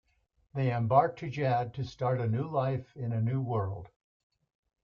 They embark to Jadd to start a new life in a new world.